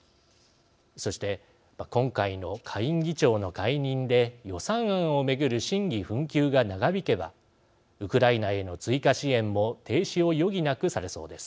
そして今回の下院議長の解任で予算案を巡る審議紛糾が長引けばウクライナへの追加支援も停止を余儀なくされそうです。